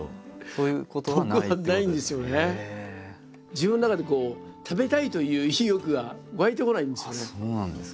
自分の中で食べたいという意欲が湧いてこないんですよね。